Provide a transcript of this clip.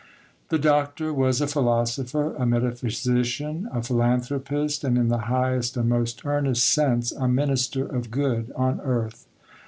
The Doctor was a philosopher, a metaphysician, a philanthropist, and in the highest and most earnest sense a minister of good on earth.